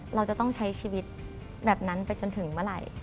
เราจะต้องใช้ชีวิตแบบนั้นไปจนถึงเมื่อไหร่